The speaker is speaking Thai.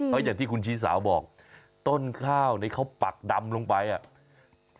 เพราะอย่างที่คุณชีสาวบอกต้นข้าวนี่เขาปักดำลงไปอ่ะ